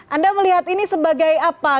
anda melihat ini sebagai apa